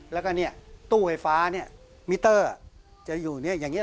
แล้วก็ตู้ไฟฟ้ามิเตอร์จะอยู่อย่างนี้